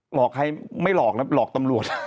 หลอกใครไม่หลอกนะหลอกตำรวจ